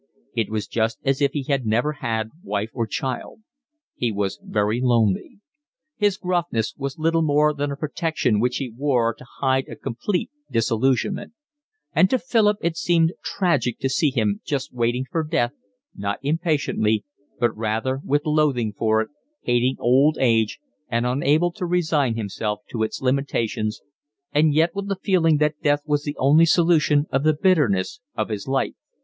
It was just as if he had never had wife or child. He was very lonely. His gruffness was little more than a protection which he wore to hide a complete disillusionment; and to Philip it seemed tragic to see him just waiting for death, not impatiently, but rather with loathing for it, hating old age and unable to resign himself to its limitations, and yet with the feeling that death was the only solution of the bitterness of his life.